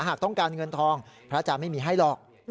หากต้องการเงินทองพระอาจารย์ไม่มีให้หรอก